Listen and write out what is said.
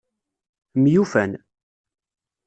Myufan.